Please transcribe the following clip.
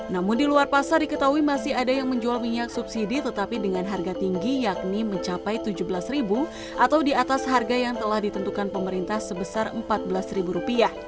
namun di luar pasar diketahui masih ada yang menjual minyak subsidi tetapi dengan harga tinggi yakni mencapai rp tujuh belas atau di atas harga yang telah ditentukan pemerintah sebesar rp empat belas